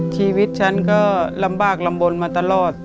ชีวิตฉันก็ลำบากลำบลมาตลอด